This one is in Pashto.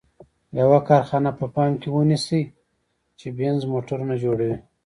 یوه کارخانه په پام کې ونیسئ چې بینز موټرونه جوړوي.